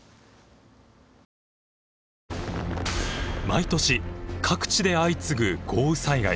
毎年各地で相次ぐ豪雨災害。